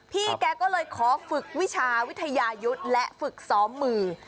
พี่แกก็เลยขอฝึกวิชาวิทยายุทธ์และฝึกซ้อมมือ